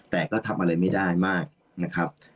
แต่ก็ทำอะไรไม่ได้มากนะครับ